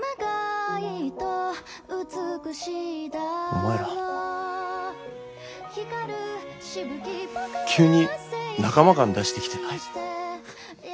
お前ら急に仲間感出してきてない？